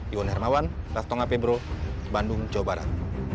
iwan hermawan rastong ap bro bandung jawa barat